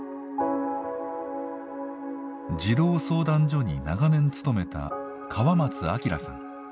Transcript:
児童相談所に長年勤めた川松亮さん。